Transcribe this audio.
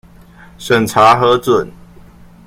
審查核准